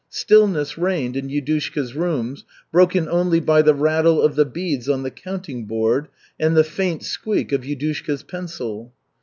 Stillness reigned in Yudushka's rooms, broken only by the rattle of the beads on the counting board and the faint squeak of Yudushka's pencil.